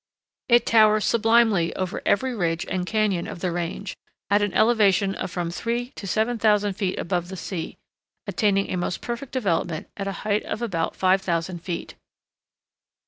It towers sublimely from every ridge and cañon of the range, at an elevation of from three to seven thousand feet above the sea, attaining most perfect development at a height of about 5000 feet.